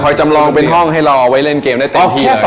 จำลองเป็นห้องให้รอไว้เล่นเกมได้เต็มที่เลย